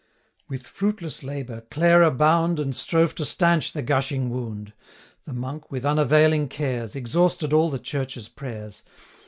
With fruitless labour, Clara bound, And strove to stanch the gushing wound: 965 The Monk, with unavailing cares, Exhausted all the Church's prayers.